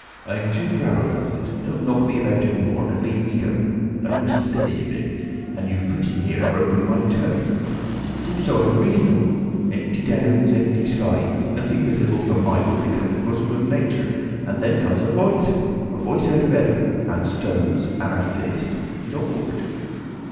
"I'm too flabbergasted. Don't knock me about any more. And leave me go. I must get steady a bit. And you've pretty near broken my toe. It's all so unreasonable. Empty downs, empty sky. Nothing visible for miles except the bosom of Nature. And then comes a voice. A voice out of heaven! And stones! And a fist—Lord!"